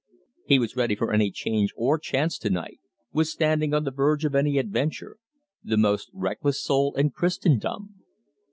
He was ready for any change or chance to night, was standing on the verge of any adventure, the most reckless soul in Christendom.